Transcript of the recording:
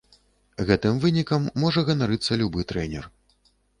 Гэтым вынікам можа ганарыцца любы трэнер.